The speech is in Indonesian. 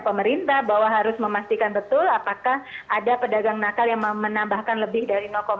pemerintah bahwa harus memastikan betul apakah ada pedagang nakal yang menambahkan lebih dari